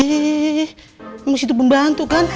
eh eh eh memang situ pembantu kan